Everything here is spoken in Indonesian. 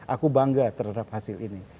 aku bangga terhadap hasil ini